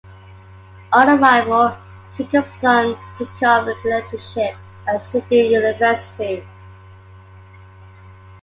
On arrival, Jacobson took up a lectureship at Sydney University.